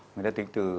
người ta tính từ